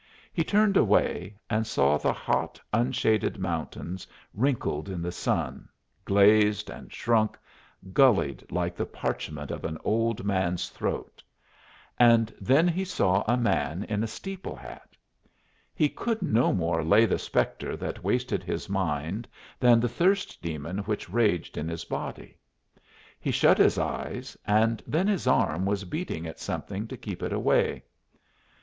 He turned away and saw the hot, unshaded mountains wrinkled in the sun, glazed and shrunk, gullied like the parchment of an old man's throat; and then he saw a man in a steeple hat. He could no more lay the spectre that wasted his mind than the thirst demon which raged in his body. He shut his eyes, and then his arm was beating at something to keep it away.